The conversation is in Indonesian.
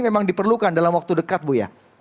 memang diperlukan dalam waktu dekat bu ya